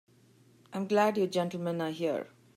I'm glad you gentlemen are here.